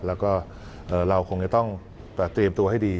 แล้วก็เราคงจะต้องเตรียมตัวให้ดี